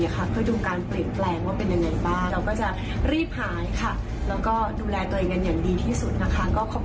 ค่ะก็ขอบคุณทุกคนมากเลยนะครับ